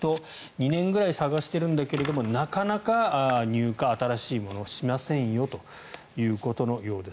２年くらい探しているんだけれどもなかなか入荷、新しいものしませんよということのようです。